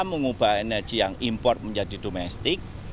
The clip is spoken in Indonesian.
mengubah energi yang import menjadi domestik